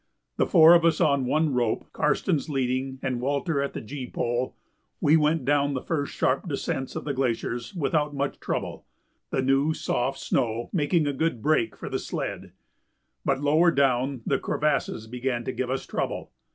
The four of us on one rope, Karstens leading and Walter at the gee pole, we went down the first sharp descents of the glaciers without much trouble, the new, soft snow making a good brake for the sled. But lower down the crevasses began to give us trouble.